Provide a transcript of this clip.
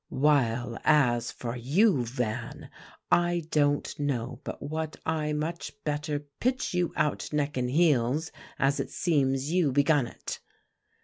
While as for you, Van, I don't know but what I much better pitch you out neck and heels, as it seems you begun it."